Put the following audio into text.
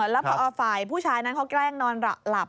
แล้วพอฝ่ายผู้ชายนั้นเขาแกล้งนอนหลับ